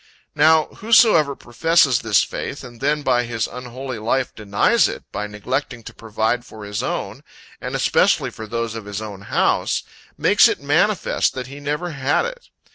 Now, whosoever professes this faith, and then by his unholy life denies it, by neglecting to provide for his own, and especially for those of his own house, makes it manifest that he never had it.